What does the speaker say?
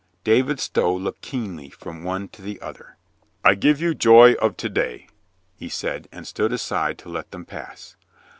David Stow looked keenly from one to the other. "I give you joy of to day," he said and stood aside to let them pass.